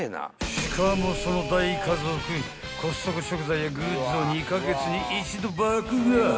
［しかもその大家族コストコ食材やグッズを２カ月に１度爆買い］